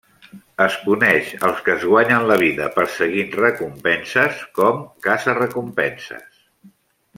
Es coneix els que es guanyen la vida perseguint recompenses com caça-recompenses.